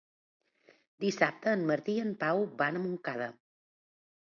Dissabte en Martí i en Pau van a Montcada.